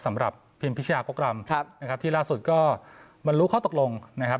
สำหรับพิมพิชยากกรำครับนะครับที่ล่าสุดก็บรรลุข้อตกลงนะครับ